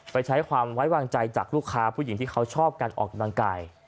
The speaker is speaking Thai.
ไปใช้ความไว้วางใจจากลูกค้าผู้หญิงที่เขาชอบการออกกำลังกาย